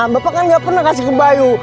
bapak kan gak pernah kasih ke bayu